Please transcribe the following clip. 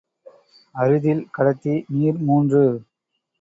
அரிதில் கடத்தி நீர் மூன்று.